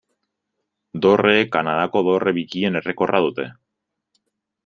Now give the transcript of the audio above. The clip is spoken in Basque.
Dorreek Kanadako dorre bikien errekorra dute.